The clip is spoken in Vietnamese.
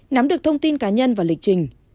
nắm được thông tin cá nhân và lịch trình